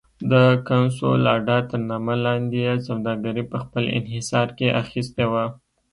د کنسولاډا تر نامه لاندې یې سوداګري په خپل انحصار کې اخیستې وه.